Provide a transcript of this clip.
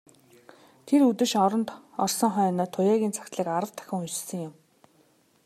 Тэр үдэш оронд орсон хойноо Туяагийн захидлыг арав дахин уншсан юм.